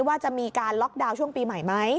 ว่าจะมีการล็อกดาวน์ช่วงปีใหม่ไหม